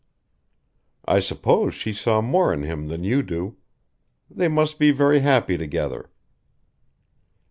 "I suppose she saw more in him than you do. They must be very happy together."